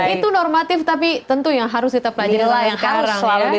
itu normatif tapi tentu yang harus kita pelajari